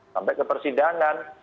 sampai ke persidangan